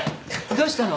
どうしたの？